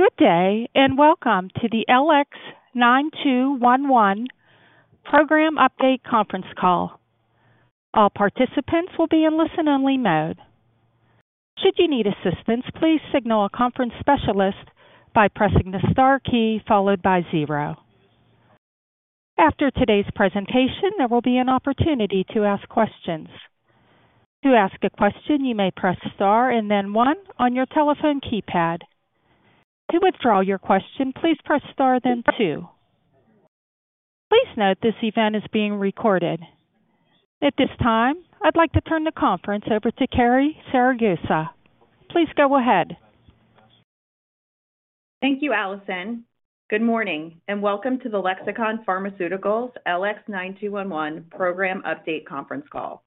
Good day, welcome to the LX9211 Program Update Conference Call. All participants will be in listen-only mode. Should you need assistance, please signal a conference specialist by pressing the star key followed by zero. After today's presentation, there will be an opportunity to ask questions. To ask a question, you may press star and then one on your telephone keypad. To withdraw your question, please press star, then two. Please note this event is being recorded. At this time, I'd like to turn the conference over to Carrie Siragusa. Please go ahead. Thank you, Allison. Good morning, welcome to the Lexicon Pharmaceuticals LX9211 Program Update Conference Call.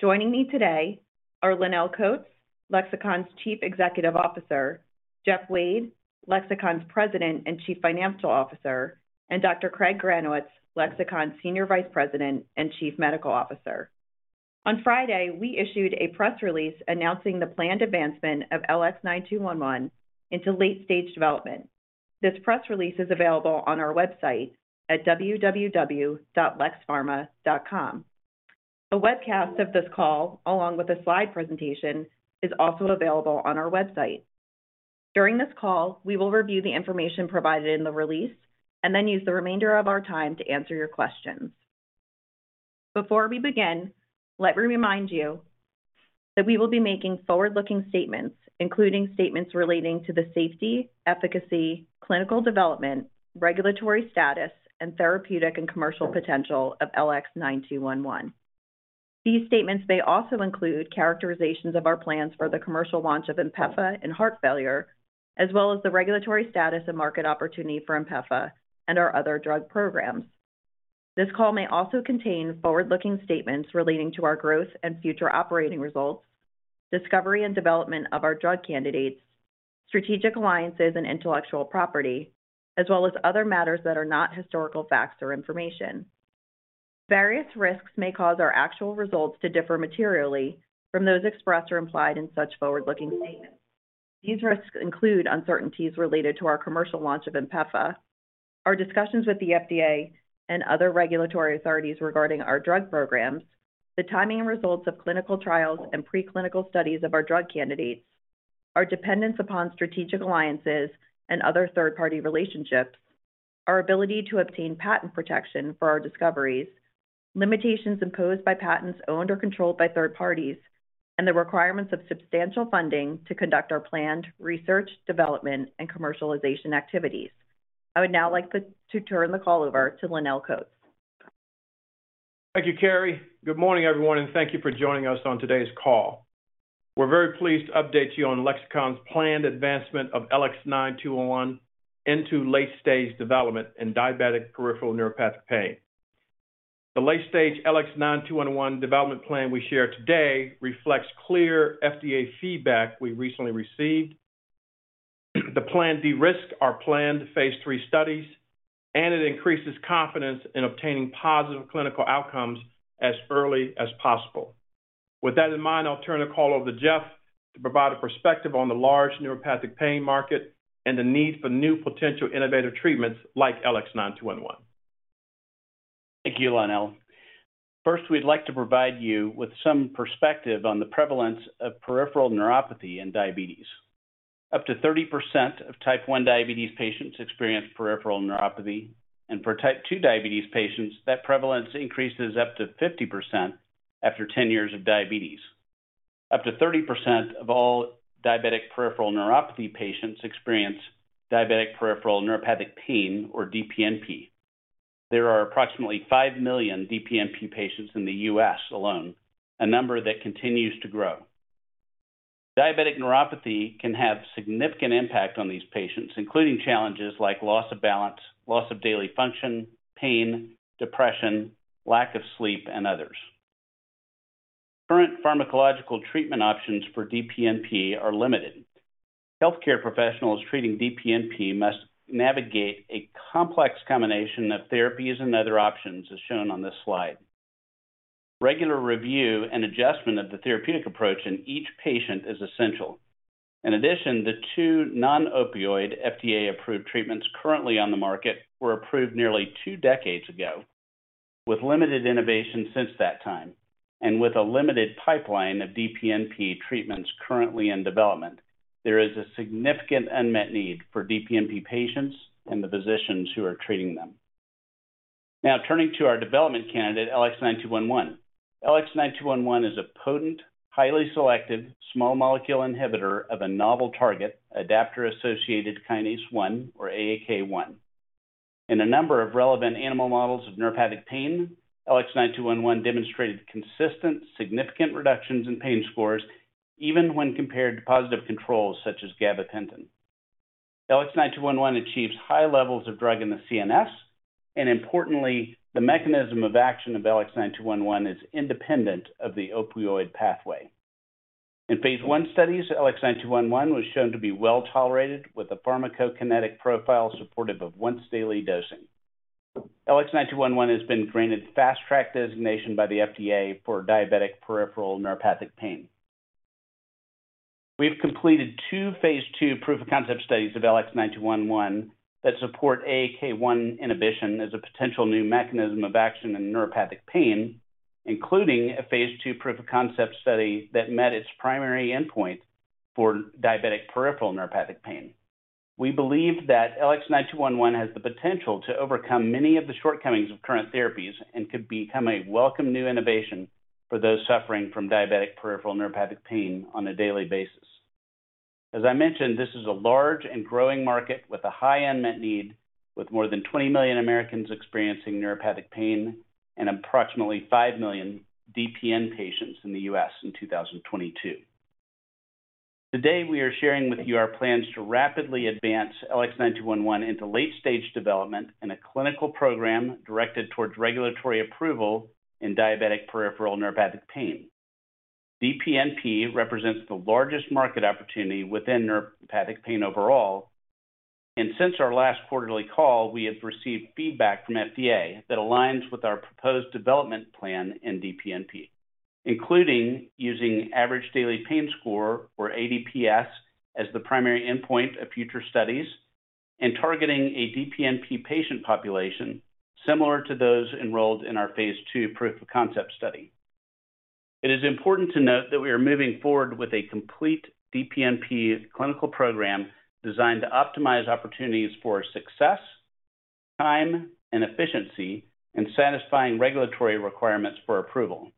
Joining me today are Lonnel Coats, Lexicon's Chief Executive Officer, Jeff Wade, Lexicon's President and Chief Financial Officer, and Dr. Craig Granowitz, Lexicon's Senior Vice President and Chief Medical Officer. On Friday, we issued a press release announcing the planned advancement of LX9211 into late-stage development. This press release is available on our website at www.lexpharma.com. A webcast of this call, along with a slide presentation, is also available on our website. During this call, we will review the information provided in the release and then use the remainder of our time to answer your questions. Before we begin, let me remind you that we will be making forward-looking statements, including statements relating to the safety, efficacy, clinical development, regulatory status, and therapeutic and commercial potential of LX9211. These statements may also include characterizations of our plans for the commercial launch of INPEFA in heart failure, as well as the regulatory status and market opportunity for INPEFA and our other drug programs. This call may also contain forward-looking statements relating to our growth and future operating results, discovery and development of our drug candidates, strategic alliances, and intellectual property, as well as other matters that are not historical facts or information. Various risks may cause our actual results to differ materially from those expressed or implied in such forward-looking statements. These risks include uncertainties related to our commercial launch of INPEFA, our discussions with the FDA and other regulatory authorities regarding our drug programs, the timing and results of clinical trials and preclinical studies of our drug candidates, our dependence upon strategic alliances and other third-party relationships, our ability to obtain patent protection for our discoveries, limitations imposed by patents owned or controlled by third parties, and the requirements of substantial funding to conduct our planned research, development, and commercialization activities. I would now like to turn the call over to Lonnel Coats. Thank you, Carrie. Good morning, everyone, and thank you for joining us on today's call. We're very pleased to update you on Lexicon's planned advancement of LX9211 into late-stage development in diabetic peripheral neuropathic pain. The late-stage LX9211 development plan we share today reflects clear FDA feedback we recently received. The plan de-risks our planned phase III studies, and it increases confidence in obtaining positive clinical outcomes as early as possible. With that in mind, I'll turn the call over to Jeff to provide a perspective on the large neuropathic pain market and the need for new potential innovative treatments like LX9211. Thank you, Lonnel. First, we'd like to provide you with some perspective on the prevalence of peripheral neuropathy in diabetes. Up to 30% of Type 1 diabetes patients experience peripheral neuropathy, and for Type 2 diabetes patients, that prevalence increases up to 50% after 10 years of diabetes. Up to 30% of all diabetic peripheral neuropathy patients experience diabetic peripheral neuropathic pain, or DPNP. There are approximately five million DPNP patients in the U.S. alone, a number that continues to grow. Diabetic neuropathy can have significant impact on these patients, including challenges like loss of balance, loss of daily function, pain, depression, lack of sleep, and others. Current pharmacological treatment options for DPNP are limited. Healthcare professionals treating DPNP must navigate a complex combination of therapies and other options, as shown on this slide. Regular review and adjustment of the therapeutic approach in each patient is essential. In addition, the two non-opioid FDA-approved treatments currently on the market were approved nearly two decades ago. With limited innovation since that time, and with a limited pipeline of DPNP treatments currently in development, there is a significant unmet need for DPNP patients and the physicians who are treating them. Now turning to our development candidate, LX9211. LX9211 is a potent, highly selective, small molecule inhibitor of a novel target, adaptor-associated kinase 1, or AAK1. In a number of relevant animal models of neuropathic pain, LX9211 demonstrated consistent, significant reductions in pain scores, even when compared to positive controls such as gabapentin. LX9211 achieves high levels of drug in the CNS, and importantly, the mechanism of action of LX9211 is independent of the opioid pathway. In phase I studies, LX9211 was shown to be well-tolerated, with a pharmacokinetic profile supportive of once-daily dosing. LX9211 has been granted Fast Track designation by the FDA for diabetic peripheral neuropathic pain. We've completed two phase II proof of concept studies of LX9211 that support AAK1 inhibition as a potential new mechanism of action in neuropathic pain, including a phase II proof of concept study that met its primary endpoint for diabetic peripheral neuropathic pain. We believe that LX9211 has the potential to overcome many of the shortcomings of current therapies and could become a welcome new innovation for those suffering from diabetic peripheral neuropathic pain on a daily basis. As I mentioned, this is a large and growing market with a high unmet need, with more than 20 million Americans experiencing neuropathic pain and approximately five million DPN patients in the U.S. in 2022. Today, we are sharing with you our plans to rapidly advance LX9211 into late-stage development in a clinical program directed towards regulatory approval in diabetic peripheral neuropathic pain. DPNP represents the largest market opportunity within neuropathic pain overall, and since our last quarterly call, we have received feedback from FDA that aligns with our proposed development plan in DPNP, including using average daily pain score, or ADPS, as the primary endpoint of future studies and targeting a DPNP patient population similar to those enrolled in our phase II proof of concept study. It is important to note that we are moving forward with a complete DPNP clinical program designed to optimize opportunities for success, time, and efficiency in satisfying regulatory requirements for approval.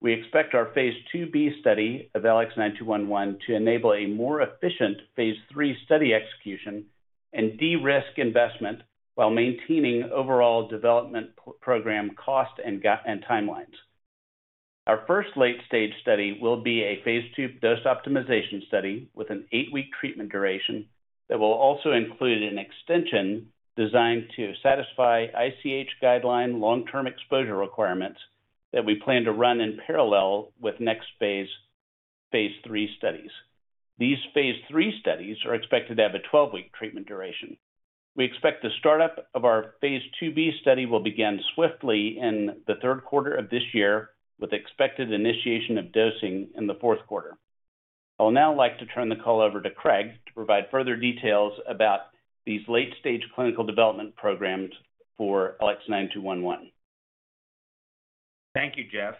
We expect our phase II-B study of LX9211 to enable a more efficient phase III study execution and de-risk investment while maintaining overall development program cost and timelines. Our first late-stage study will be a phase II dose optimization study with an eight-week treatment duration that will also include an extension designed to satisfy ICH guideline long-term exposure requirements that we plan to run in parallel with next phase III studies. These phase III studies are expected to have a 12-week treatment duration. We expect the startup of our phase II-B study will begin swiftly in the Q3 of this year, with expected initiation of dosing in the Q4. I'll now like to turn the call over to Craig to provide further details about these late-stage clinical development programs for LX9211. Thank you, Jeff.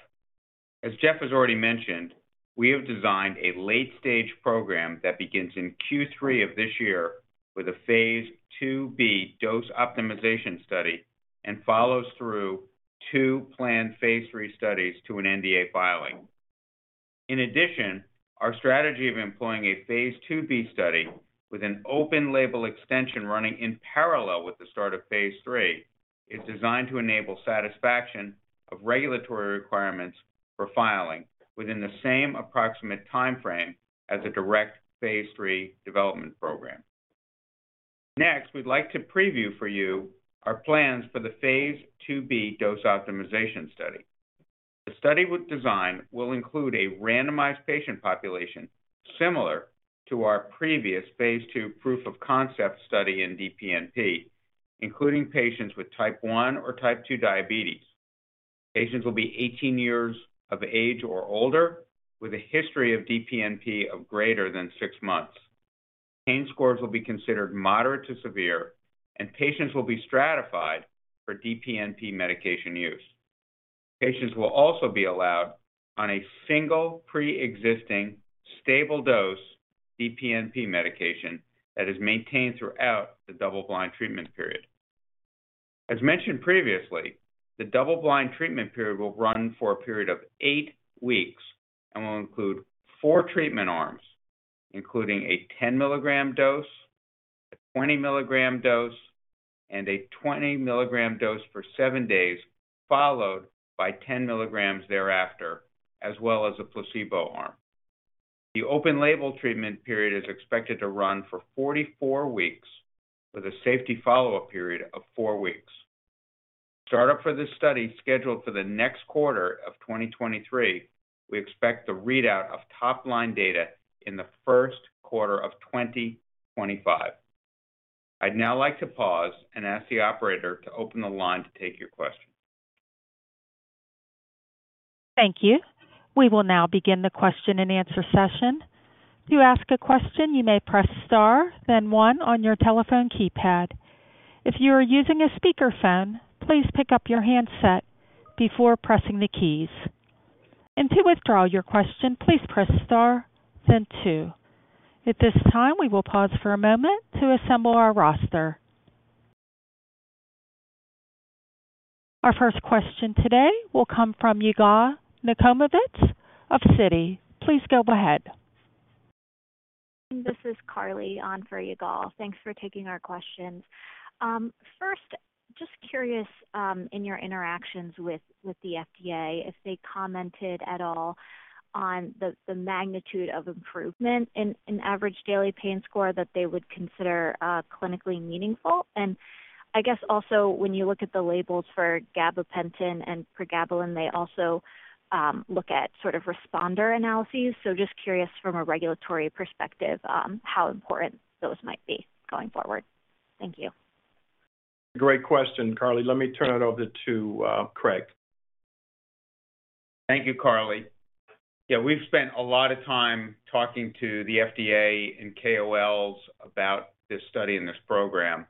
As Jeff has already mentioned, we have designed a late-stage program that begins in Q3 of this year with a phase II-B dose optimization study and follows through two planned phase III studies to an NDA filing. Our strategy of employing a phase II-B study with an open label extension running in parallel with the start of phase III is designed to enable satisfaction of regulatory requirements for filing within the same approximate timeframe as a direct phase III development program. We'd like to preview for you our plans for the phase II-B dose optimization study. The study design will include a randomized patient population similar to our previous phase II proof of concept study in DPNP, including patients with Type 1 or Type 2 diabetes. Patients will be 18 years of age or older with a history of DPNP of greater than six months. Pain scores will be considered moderate to severe, and patients will be stratified for DPNP medication use. Patients will also be allowed on a single preexisting, stable dose DPNP medication that is maintained throughout the double-blind treatment period. As mentioned previously, the double-blind treatment period will run for a period of eight weeks and will include four treatment arms, including a 10 mg dose, a 20 mg dose, and a 20 mg dose for seven days, followed by 10 mg thereafter, as well as a placebo arm. The open label treatment period is expected to run for 44 weeks, with a safety follow-up period of four weeks. Startup for this study, scheduled for the next quarter of 2023, we expect the readout of top-line data in the Q1 of 2025. I'd now like to pause and ask the operator to open the line to take your questions. Thank you. We will now begin the question-and-answer session. To ask a question, you may press star, then one on your telephone keypad. If you are using a speakerphone, please pick up your handset before pressing the keys. To withdraw your question, please press star then two. At this time, we will pause for a moment to assemble our roster. Our first question today will come from Yigal Nochomovitz of Citi. Please go ahead. This is Carly on for Yigal. Thanks for taking our questions. First, just curious, in your interactions with the FDA, if they commented at all on the magnitude of improvement in average daily pain score that they would consider clinically meaningful. I guess also when you look at the labels for gabapentin and pregabalin, they also look at sort of responder analyses. Just curious from a regulatory perspective, how important those might be going forward. Thank you. Great question, Carly. Let me turn it over to Craig. Thank you, Carly. Yeah, we've spent a lot of time talking to the FDA and KOLs about this study and this program.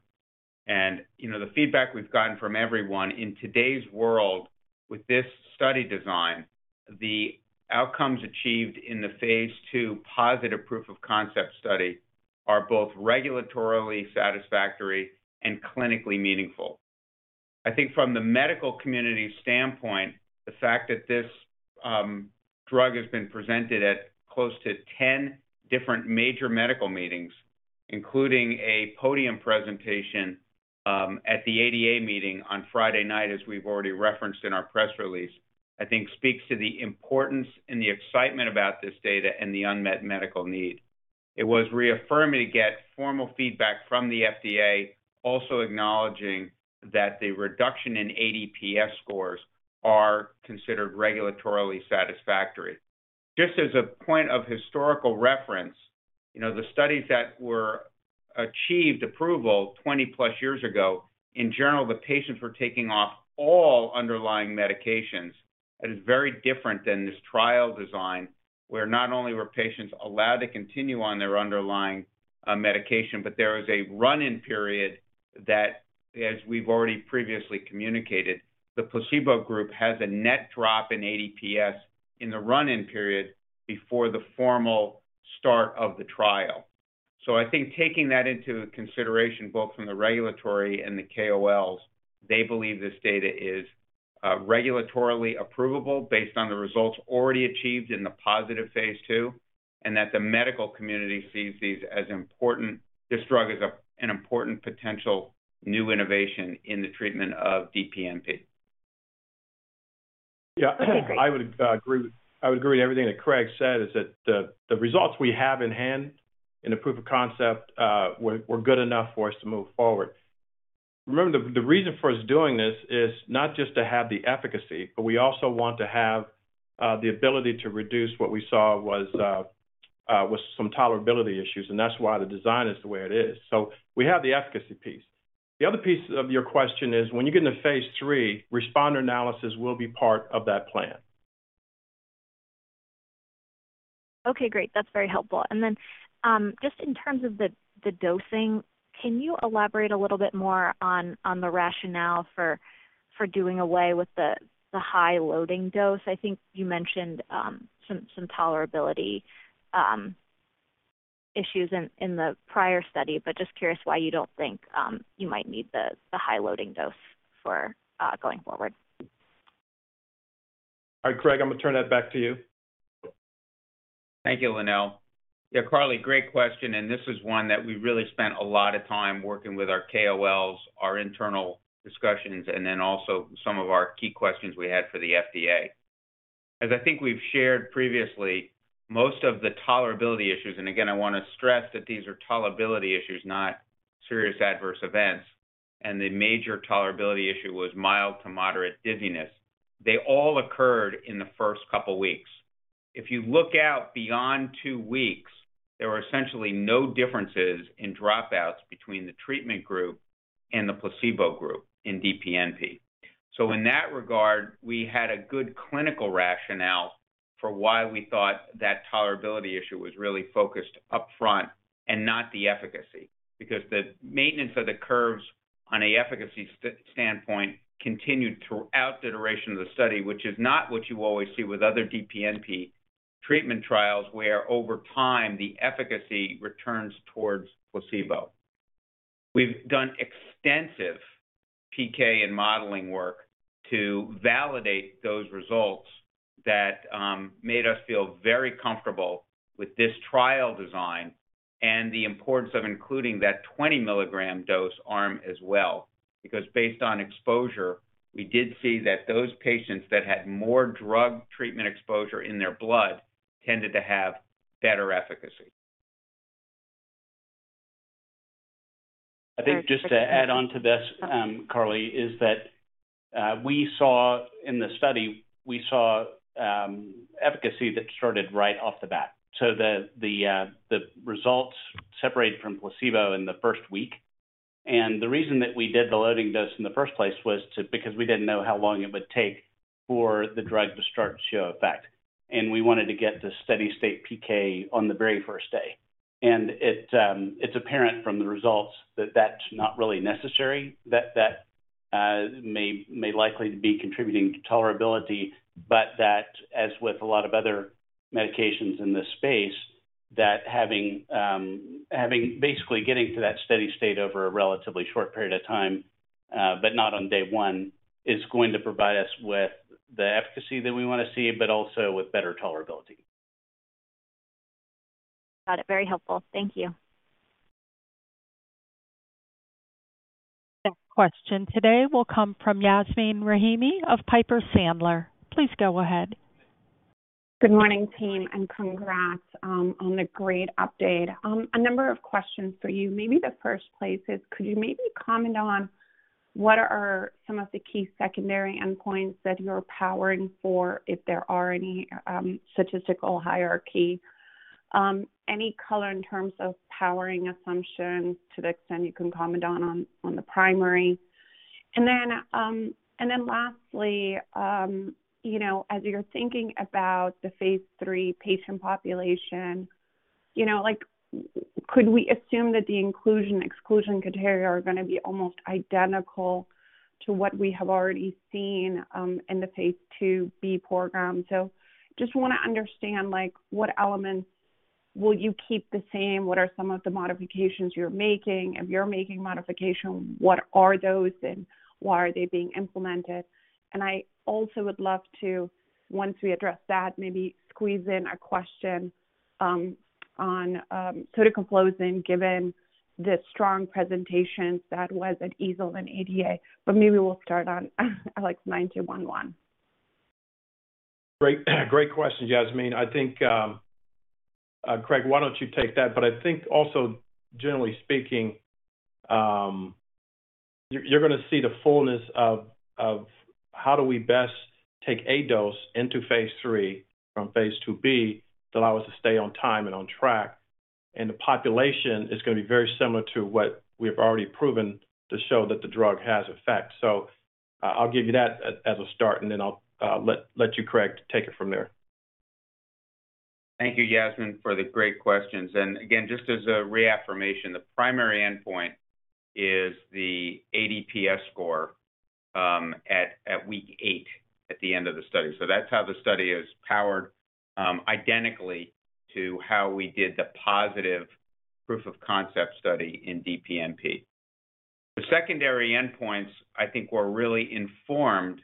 You know, the feedback we've gotten from everyone in today's world with this study design, the outcomes achieved in the phase II positive proof of concept study are both regulatorily satisfactory and clinically meaningful. I think from the medical community's standpoint, the fact that this drug has been presented at close to 10 different major medical meetings, including a podium presentation at the ADA meeting on Friday night, as we've already referenced in our press release, I think speaks to the importance and the excitement about this data and the unmet medical need. It was reaffirming to get formal feedback from the FDA, also acknowledging that the reduction in ADPS scores are considered regulatorily satisfactory. Just as a point of historical reference, you know, the studies that were achieved approval 20+ years ago, in general, the patients were taking off all underlying medications. That is very different than this trial design, where not only were patients allowed to continue on their underlying medication, but there was a run-in period that, as we've already previously communicated, the placebo group has a net drop in ADPS in the run-in period before the formal start of the trial. I think taking that into consideration, both from the regulatory and the KOLs, they believe this data is regulatorily approvable based on the results already achieved in the positive phase II, and that the medical community sees these as important. This drug as an important potential new innovation in the treatment of DPNP. Yeah, I would agree. I would agree with everything that Craig said, is that the results we have in hand in the proof of concept, were good enough for us to move forward. Remember, the reason for us doing this is not just to have the efficacy, but we also want to have the ability to reduce what we saw was some tolerability issues, and that's why the design is the way it is. We have the efficacy piece. The other piece of your question is, when you get into phase III, responder analysis will be part of that plan. Okay, great. That's very helpful. Just in terms of the dosing, can you elaborate a little bit more on the rationale for doing away with the high loading dose? I think you mentioned some tolerability issues in the prior study, but just curious why you don't think you might need the high loading dose for going forward? All right, Craig, I'm going to turn that back to you. Thank you, Lonnel. Yeah, Carly, great question. This is one that we really spent a lot of time working with our KOLs, our internal discussions, and then also some of our key questions we had for the FDA. As I think we've shared previously, most of the tolerability issues, and again, I want to stress that these are tolerability issues, not serious adverse events, and the major tolerability issue was mild to moderate dizziness. They all occurred in the first couple weeks. If you look out beyond two weeks, there were essentially no differences in dropouts between the treatment group and the placebo group in DPNP. In that regard, we had a good clinical rationale for why we thought that tolerability issue was really focused upfront and not the efficacy, because the maintenance of the curves on a efficacy standpoint continued throughout the duration of the study, which is not what you always see with other DPNP treatment trials, where over time, the efficacy returns towards placebo. We've done extensive PK and modeling work to validate those results that made us feel very comfortable with this trial design and the importance of including that 20 mg dose arm as well, because based on exposure, we did see that those patients that had more drug treatment exposure in their blood tended to have better efficacy. I think just to add on to this, Carly, is that, we saw in the study, we saw, efficacy that started right off the bat. The results separated from placebo in the first week. The reason that we did the loading dose in the first place was because we didn't know how long it would take for the drug to start to show effect, and we wanted to get to steady state PK on the very first day. It's apparent from the results that that's not really necessary, that that may likely be contributing to tolerability, but that as with a lot of other medications in this space, that having basically getting to that steady state over a relatively short period of time, but not on day one, is going to provide us with the efficacy that we want to see, but also with better tolerability. Got it. Very helpful. Thank you. The question today will come from Yasmeen Rahimi of Piper Sandler. Please go ahead. Good morning, team, congrats on the great update. A number of questions for you. Maybe the first place is, could you maybe comment on what are some of the key secondary endpoints that you're powering for, if there are any statistical hierarchy? Any color in terms of powering assumptions to the extent you can comment on the primary? Then lastly, you know, as you're thinking about the phase III patient population, you know, could we assume that the inclusion/exclusion criteria are going to be almost identical to what we have already seen in the phase II-B program? Just want to understand what elements will you keep the same? What are some of the modifications you're making? If you're making modifications, what are those, and why are they being implemented? I also would love to, once we address that, maybe squeeze in a question, on, sort of closing, given the strong presentation that was at EASL and ADA, but maybe we'll start on, like, LX9211. Great, great question, Yasmeen. I think Craig, why don't you take that? I think also, generally speaking, you're going to see the fullness of how do we best take a dose into phase III from phase II-B to allow us to stay on time and on track, and the population is going to be very similar to what we have already proven to show that the drug has effect. I'll give you that as a start, and then I'll let you, Craig, take it from there. Thank you, Yasmeen, for the great questions. Again, just as a reaffirmation, the primary endpoint is the ADPS score at week eight, at the end of the study. That's how the study is powered identically to how we did the positive proof of concept study in DPNP. The secondary endpoints, I think, were really informed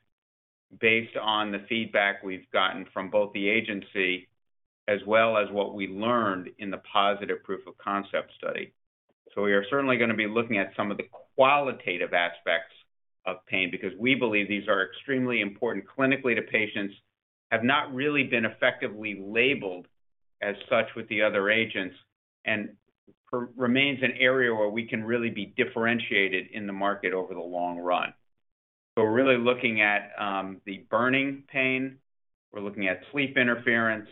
based on the feedback we've gotten from both the agency as well as what we learned in the positive proof of concept study. We are certainly going to be looking at some of the qualitative aspects of pain because we believe these are extremely important clinically to patients, have not really been effectively labeled as such with the other agents, and remains an area where we can really be differentiated in the market over the long run. We're really looking at the burning pain, we're looking at sleep interference,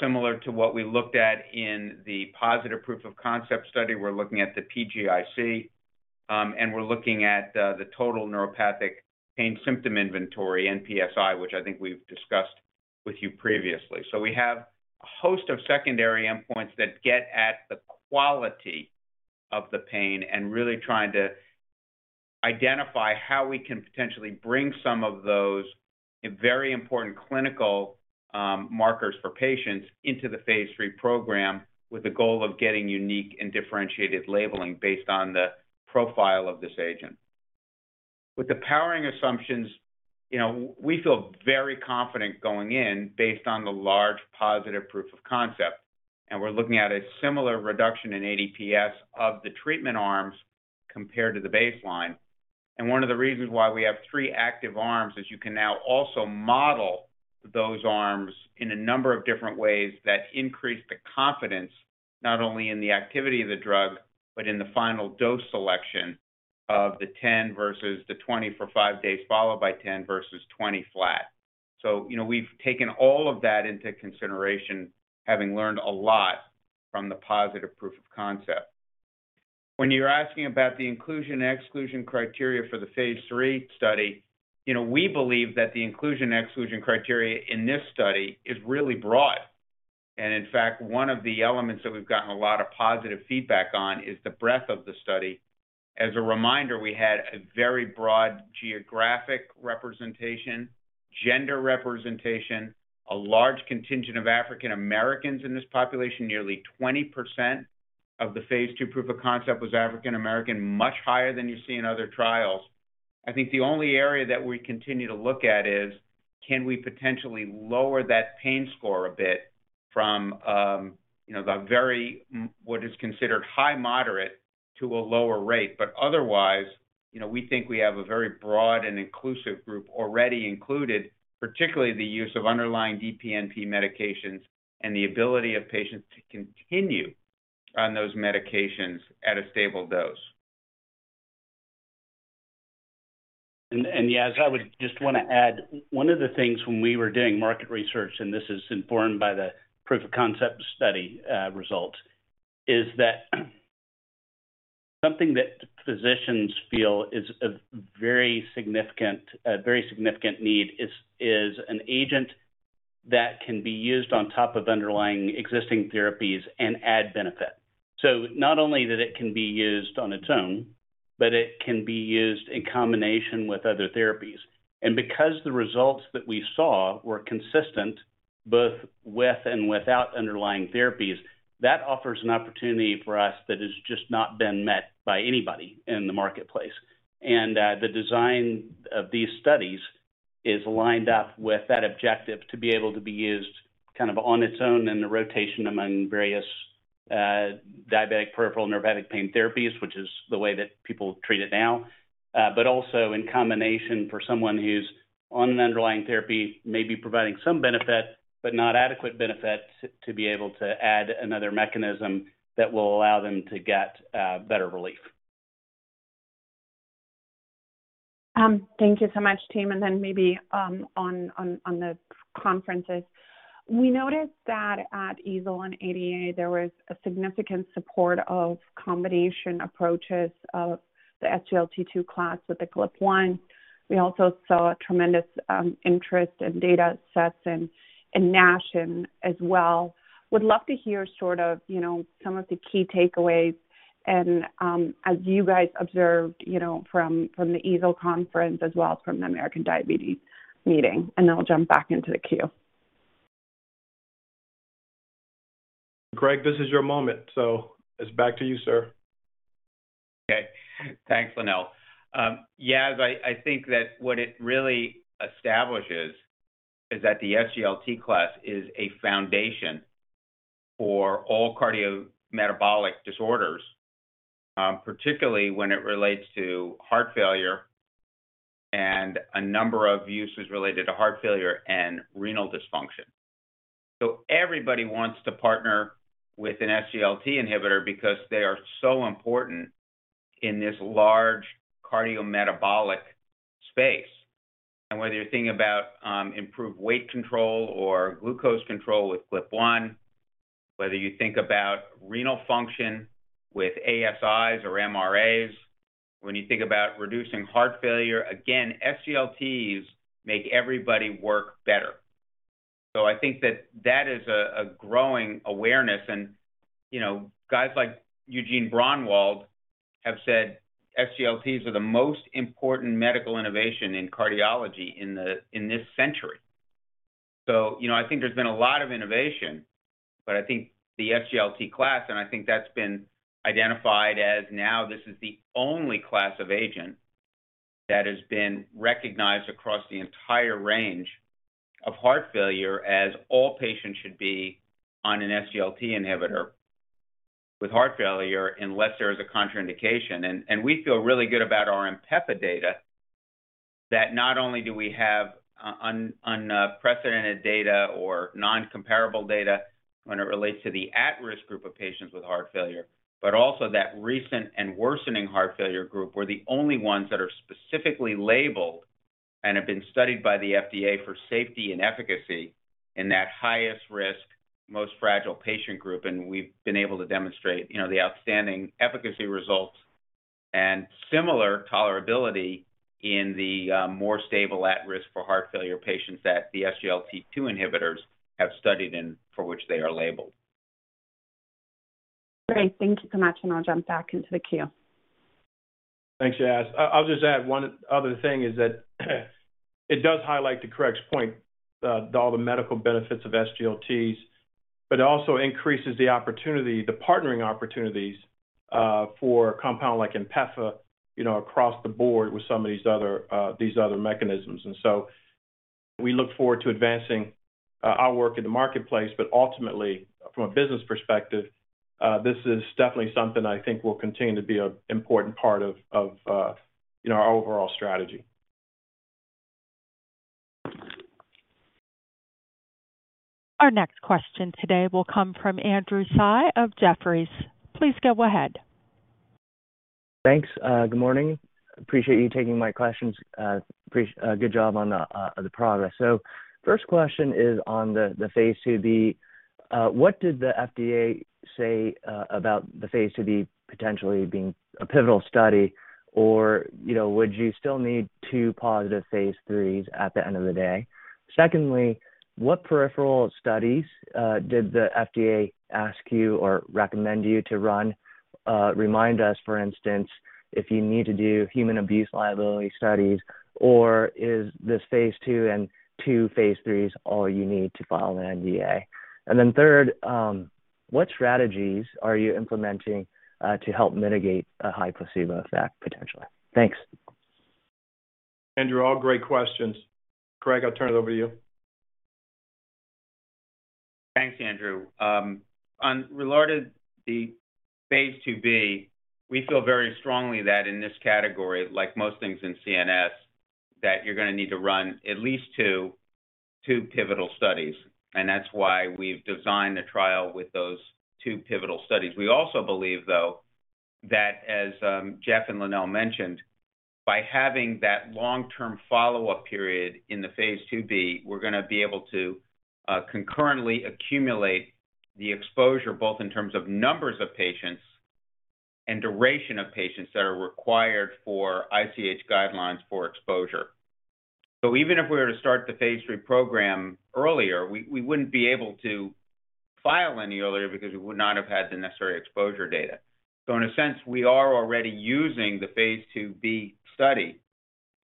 similar to what we looked at in the positive proof of concept study. We're looking at the PGIC, and we're looking at the total neuropathic pain symptom inventory, NPSI, which I think we've discussed with you previously. We have a host of secondary endpoints that get at the quality of the pain and really trying to identify how we can potentially bring some of those very important clinical markers for patients into the phase III program, with the goal of getting unique and differentiated labeling based on the profile of this agent. With the powering assumptions, you know, we feel very confident going in based on the large positive proof of concept, and we're looking at a similar reduction in ADPS of the treatment arms compared to the baseline. One of the reasons why we have three active arms is you can now also model those arms in a number of different ways that increase the confidence, not only in the activity of the drug, but in the final dose selection of the 10 mg versus the 20 mg for five days, followed by 10 mg versus 20 mg flat. You know, we've taken all of that into consideration, having learned a lot from the positive proof of concept. When you're asking about the inclusion/exclusion criteria for the phase III study, you know, we believe that the inclusion/exclusion criteria in this study is really broad. In fact, one of the elements that we've gotten a lot of positive feedback on is the breadth of the study. As a reminder, we had a very broad geographic representation, gender representation, a large contingent of African Americans in this population. Nearly 20% of the phase II proof of concept was African American, much higher than you see in other trials. I think the only area that we continue to look at is, can we potentially lower that pain score a bit from, you know, the very, what is considered high moderate to a lower rate? Otherwise, you know, we think we have a very broad and inclusive group already included, particularly the use of underlying DPNP medications and the ability of patients to continue on those medications at a stable dose. Yes I would just want to add, one of the things when we were doing market research, and this is informed by the proof of concept study result, is that something that physicians feel is a very significant need is an agent that can be used on top of underlying existing therapies and add benefit. Not only that it can be used on its own, but it can be used in combination with other therapies. Because the results that we saw were consistent both with and without underlying therapies, that offers an opportunity for us that has just not been met by anybody in the marketplace. The design of these studies is lined up with that objective to be able to be used kind of on its own and the rotation among various diabetic peripheral neuropathic pain therapies, which is the way that people treat it now. But also in combination for someone who's on an underlying therapy, maybe providing some benefit, but not adequate benefit, to be able to add another mechanism that will allow them to get better relief. Thank you so much, team. Maybe on the conferences, we noticed that at EASL and ADA, there was a significant support of combination approaches of the SGLT2 class with the GLP-1. We also saw a tremendous interest in data sets and, in NASH as well. Would love to hear sort of, you know, some of the key takeaways and, as you guys observed, you know, from the EASL conference, as well as from the American Diabetes Association meeting, I'll jump back into the queue. Greg, this is your moment, so it's back to you, sir. Thanks, Lonnel. Yes, I think that what it really establishes is that the SGLT class is a foundation for all cardiometabolic disorders, particularly when it relates to heart failure and a number of uses related to heart failure and renal dysfunction. Everybody wants to partner with an SGLT inhibitor because they are so important in this large cardiometabolic space. Whether you're thinking about improved weight control or glucose control with GLP-1, whether you think about renal function with ASIs or MRAs, when you think about reducing heart failure, again, SGLTs make everybody work better. I think that that is a growing awareness, and, you know, guys like Eugene Braunwald have said SGLTs are the most important medical innovation in cardiology in the, in this century. You know, I think there's been a lot of innovation, but I think the SGLT class, and I think that's been identified as now this is the only class of agent that has been recognized across the entire range of heart failure, as all patients should be on an SGLT inhibitor with heart failure, unless there is a contraindication. And we feel really good about our INPEFA data, that not only do we have unprecedented data or non-comparable data when it relates to the at-risk group of patients with heart failure, but also that recent and worsening heart failure group were the only ones that are specifically labeled and have been studied by the FDA for safety and efficacy in that highest-risk, most fragile patient group. We've been able to demonstrate, you know, the outstanding efficacy results and similar tolerability in the, more stable, at-risk for heart failure patients that the SGLT2 inhibitors have studied in, for which they are labeled. Great. Thank you so much, and I'll jump back into the queue. Thanks, Yas. I'll just add one other thing is that it does highlight to Craig's point, all the medical benefits of SGLTs, but it also increases the opportunity, the partnering opportunities, for a compound like INPEFA, you know, across the board with some of these other mechanisms. We look forward to advancing, our work in the marketplace, but ultimately, from a business perspective, this is definitely something I think will continue to be an important part of, you know, our overall strategy. Our next question today will come from Andrew Tsai of Jefferies. Please go ahead. Thanks. Good morning. Appreciate you taking my questions. Good job on the progress. First question is on the phase II-B. What did the FDA say about the phase II-B potentially being a pivotal study? You know, would you still need two positive phase IIIs at the end of the day? Secondly, what peripheral studies did the FDA ask you or recommend you to run? Remind us, for instance, if you need to do human abuse liability studies, or is this phase II and two phase IIIs all you need to file an NDA? Third, what strategies are you implementing to help mitigate a high placebo effect, potentially? Thanks. Andrew, all great questions. Craig, I'll turn it over to you. Thanks, Andrew. On regarded the phase II-B, we feel very strongly that in this category, like most things in CNS, that you're going to need to run at least two pivotal studies, and that's why we've designed the trial with those two pivotal studies. We also believe, though, that as Jeff and Lonnel mentioned, by having that long-term follow-up period in the phase II-B, we're going to be able to concurrently accumulate the exposure, both in terms of numbers of patients and duration of patients, that are required for ICH guidelines for exposure. Even if we were to start the phase III program earlier, we wouldn't be able to file any earlier because we would not have had the necessary exposure data. In a sense, we are already using the phase II-B study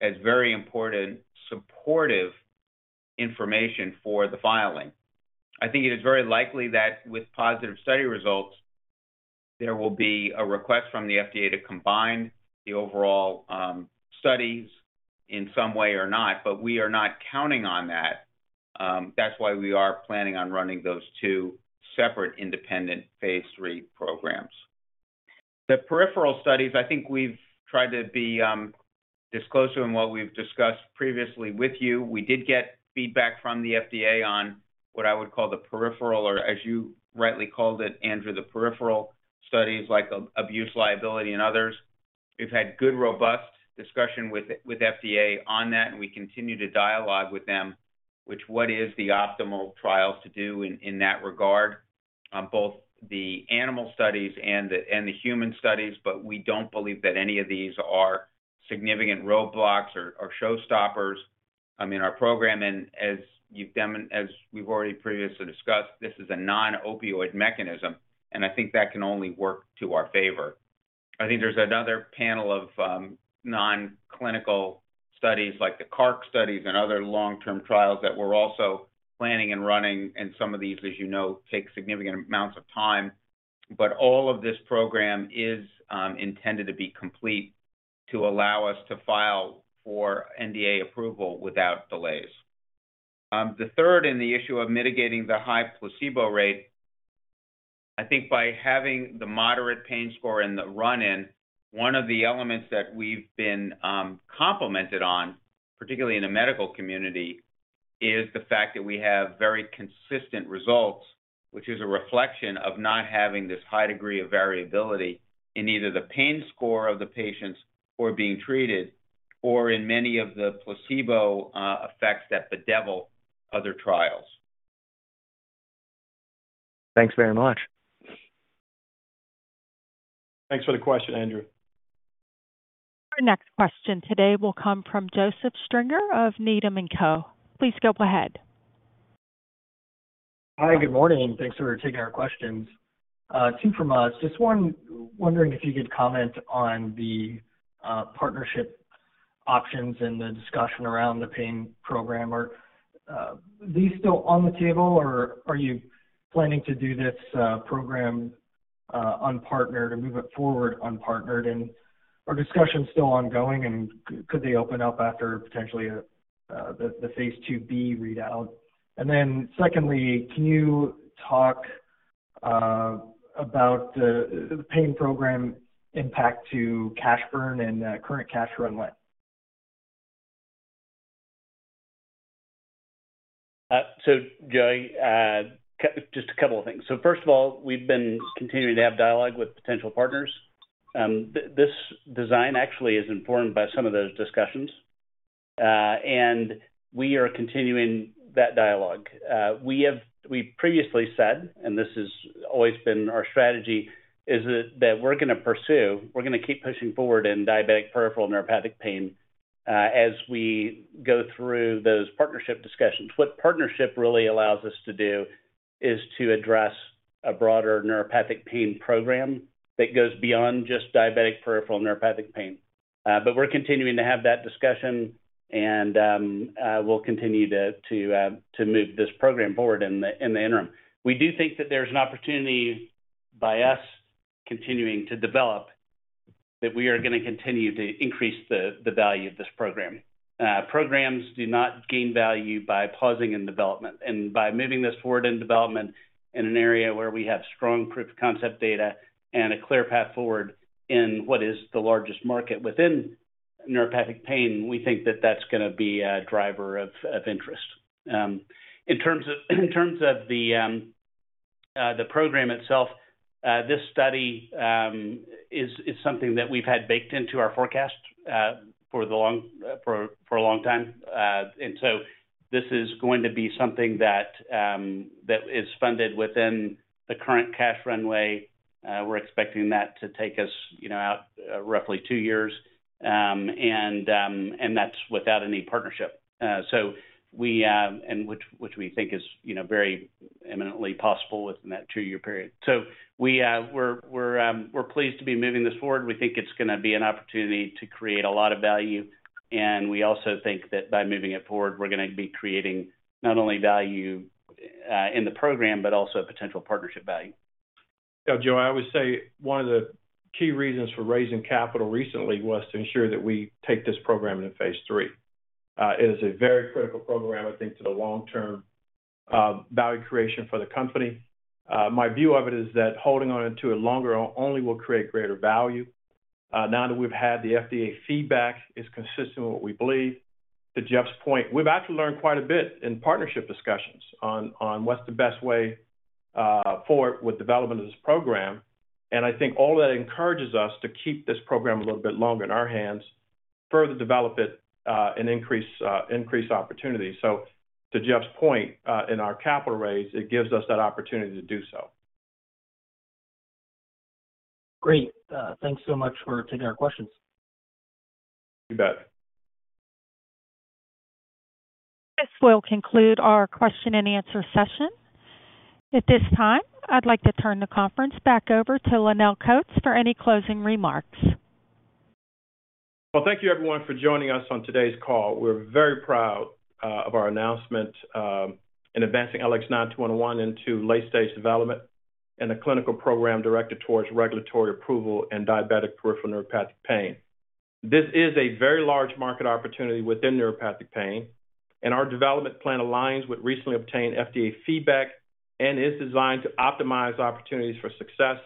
as very important supportive information for the filing. I think it is very likely that with positive study results, there will be a request from the FDA to combine the overall studies in some way or not, but we are not counting on that. That's why we are planning on running those two separate independent phase III programs. The peripheral studies, I think we've tried to be disclosure in what we've discussed previously with you. We did get feedback from the FDA on what I would call the peripheral, or as you rightly called it, Andrew. The peripheral studies like abuse liability and others. We've had good, robust discussion with FDA on that, and we continue to dialogue with them, which what is the optimal trials to do in that regard, both the animal studies and the human studies, but we don't believe that any of these are significant roadblocks or showstoppers. I mean, our program, as we've already previously discussed, this is a non-opioid mechanism, and I think that can only work to our favor. I think there's another panel of non-clinical studies, like the CARC studies and other long-term trials that we're also planning and running, and some of these, as you know, take significant amounts of time. All of this program is intended to be complete to allow us to file for NDA approval without delays. The third, in the issue of mitigating the high placebo rate, I think by having the moderate pain score in the run-in, one of the elements that we've been complimented on, particularly in the medical community, is the fact that we have very consistent results, which is a reflection of not having this high degree of variability in either the pain score of the patients who are being treated or in many of the placebo effects that bedevil other trials. Thanks very much. Thanks for the question, Andrew. Our next question today will come from Joseph Stringer of Needham & Co.. Please go ahead. Hi, good morning. Thanks for taking our questions. two from us. Just one, wondering if you could comment on the partnership options and the discussion around the pain program, or are these still on the table, or are you planning to do this program unpartnered and move it forward unpartnered? Are discussions still ongoing, and could they open up after potentially the phase II-B readout? Secondly, can you talk about the pain program impact to cash burn and current cash runway? Joey, just a couple of things. First of all, we've been continuing to have dialogue with potential partners. This design actually is informed by some of those discussions, and we are continuing that dialogue. We previously said, and this has always been our strategy, is that we're gonna pursue, we're gonna keep pushing forward in diabetic peripheral neuropathic pain, as we go through those partnership discussions. What partnership really allows us to do is to address a broader neuropathic pain program that goes beyond just diabetic peripheral neuropathic pain. We're continuing to have that discussion, and we'll continue to move this program forward in the interim. We do think that there's an opportunity by us continuing to develop, that we are gonna continue to increase the value of this program. Programs do not gain value by pausing in development, and by moving this forward in development in an area where we have strong proof of concept data and a clear path forward in what is the largest market within neuropathic pain, we think that that's gonna be a driver of interest. In terms of the program itself, this study is something that we've had baked into our forecast for a long time. This is going to be something that is funded within the current cash runway. We're expecting that to take us, you know, out roughly two years. That's without any partnership. We, and which we think is, you know, very imminently possible within that two-year period. We, we're pleased to be moving this forward. We think it's gonna be an opportunity to create a lot of value, and we also think that by moving it forward, we're gonna be creating not only value in the program, but also a potential partnership value. Joe, I would say one of the key reasons for raising capital recently was to ensure that we take this program into phase III. It is a very critical program, I think, to the long-term value creation for the company. My view of it is that holding on to it longer only will create greater value. Now that we've had the FDA feedback, it's consistent with what we believe. To Jeff's point, we've actually learned quite a bit in partnership discussions on what's the best way forward with development of this program, and I think all of that encourages us to keep this program a little bit longer in our hands, further develop it, and increase opportunities. To Jeff's point, in our capital raise, it gives us that opportunity to do so. Great. Thanks so much for taking our questions. You bet. This will conclude our question-and-answer session. At this time, I'd like to turn the conference back over to Lonnel Coats for any closing remarks. Well, thank you everyone for joining us on today's call. We're very proud of our announcement in advancing LX9211 into late-stage development and a clinical program directed towards regulatory approval in diabetic peripheral neuropathic pain. This is a very large market opportunity within neuropathic pain, and our development plan aligns with recently obtained FDA feedback and is designed to optimize opportunities for success,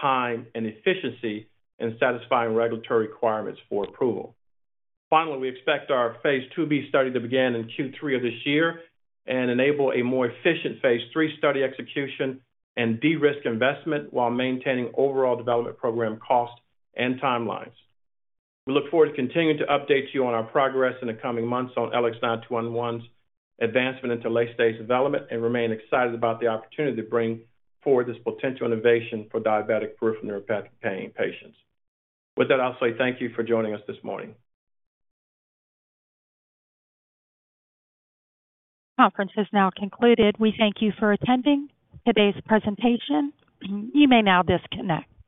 time, and efficiency in satisfying regulatory requirements for approval. Finally, we expect our phase II-B study to begin in Q3 of this year and enable a more efficient phase III study execution and de-risk investment while maintaining overall development program costs and timelines. We look forward to continuing to update you on our progress in the coming months on LX9211's advancement into late-stage development and remain excited about the opportunity to bring forward this potential innovation for diabetic peripheral neuropathic pain patients. I'll say thank you for joining us this morning. Conference is now concluded. We thank you for attending today's presentation. You may now disconnect.